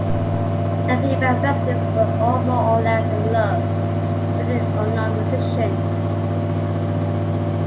The female residents were all more or less in love with the unknown musician.